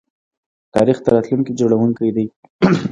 تاریخ د راتلونکي جوړونکی دی.